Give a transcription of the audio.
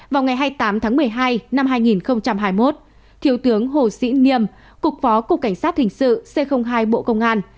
vào ngày hai mươi tám tháng một mươi hai năm hai nghìn hai mươi một thiếu tướng hồ sĩ nghiêm cục phó cục cảnh sát hình sự c hai bộ công an